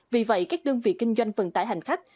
vì vậy các đơn vị kinh doanh vận tải hành khách